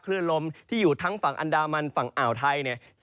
ลมที่อยู่ทั้งฝั่งอันดามันฝั่งอ่าวไทยเนี่ย